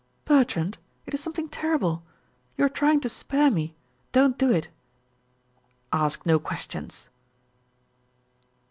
"Bertrand, it is something terrible! You are trying to spare me don't do it." "Ask no questions."